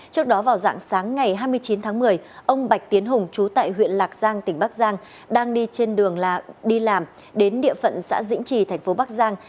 trước đó vào dạng sáng ngày hai mươi chín tháng một mươi ông bạch tiến hùng trú tại huyện lạc giang tỉnh bắc giang đang đi trên đường đi làm đến địa phận xã dĩnh trì thành phố bắc giang